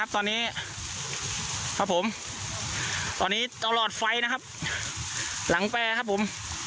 ตอนนี้ตลอดไฟนะครับหลังแปรนะครับผม